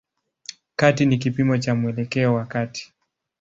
Kati ni kipimo cha mwelekeo wa kati.